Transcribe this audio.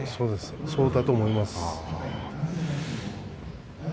そうだと思います。